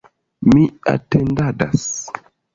Mi atendadas.